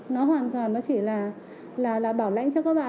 nó hoàn toàn nó chỉ là bảo lãnh cho các bạn